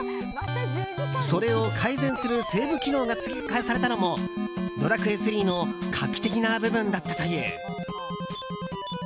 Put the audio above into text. それを改善するセーブ機能が追加されたのも「ドラクエ３」の画期的な部分だったという。